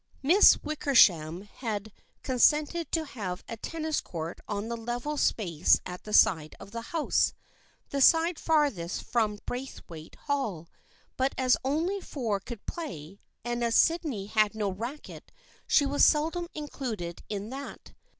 Miss Wickersham had con sented to have a tennis court on the level space at the side of the house, the side farthest from Braith waite Hall, but as only four could play, and as Sydney had no racket, she was seldom included in that.